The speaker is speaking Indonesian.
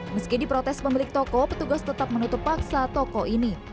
meski diprotes pemilik toko petugas tetap menutup paksa toko ini